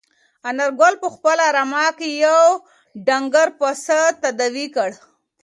انارګل په خپله رمه کې یو ډنګر پسه تداوي کړ.